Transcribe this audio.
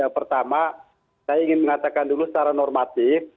pertama saya ingin mengatakan dulu secara normatif